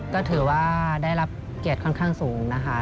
ก็ถือว่าได้รับเกียรติค่อนข้างสูงนะคะ